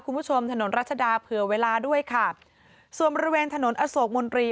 คุณผู้ชมถนนรัชดาเผื่อเวลาด้วยค่ะส่วนบริเวณถนนอโศกมนตรี